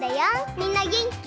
みんなげんき？